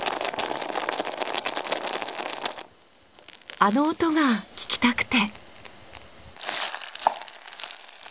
あの音が聞きたくて。